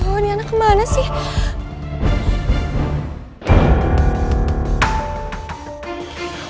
oh ini anak kemana sih